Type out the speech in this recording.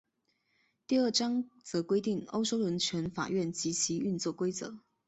第二章则规定欧洲人权法院及其运作规则。